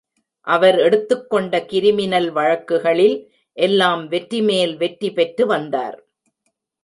அவர் எடுத்துக் கொண்ட கிரிமினல் வழக்குகளில் எல்லாம் வெற்றிமேல் வெற்றி பெற்று வந்தார்.